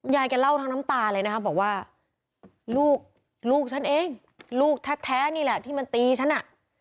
ยายแกเล่าทั้งน้ำตาเลยนะคะบอกว่าลูกลูกฉันเองลูกแท้นี่แหละที่มันตีฉันอ่ะ